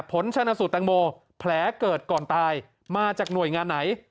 ผลชนะสูตรแตงโมแผลเกิดก่อนตายมาจากหน่วยงานไหน